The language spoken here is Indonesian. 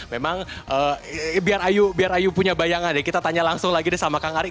memang biar ayu punya bayangan deh kita tanya langsung lagi deh sama kang ari